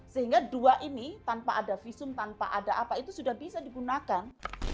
sehingga dua ini tanpa ada visum tanpa ada apa itu sudah bisa digunakan